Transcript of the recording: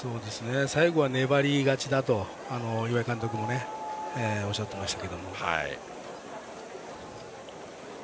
最後は粘り勝ちだと岩井監督もおっしゃっていました。